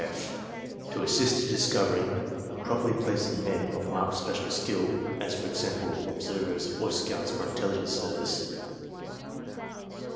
(/) To assist in discovering and properly placing men of marked special skill, as for example, observers or scouts for intelligence service.